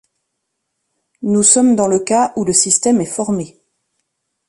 Nous sommes dans le cas où le système est formé.